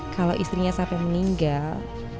kalo istrinya sampe meninggal